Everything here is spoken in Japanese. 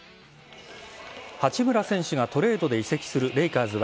八村選手がトレードで移籍するレイカーズは、